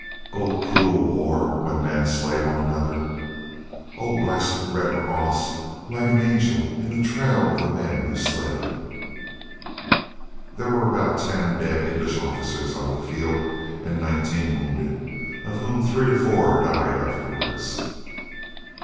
Oh, cruel war when men slay one another! "Oh, blest Red Cross, like an angel in the trail of the men who slay!" There were about ten dead English officers on the field and nineteen wounded, of whom three or four died afterwards.